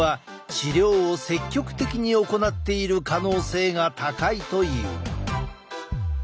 治療を積極的に行っている可能性が高いという。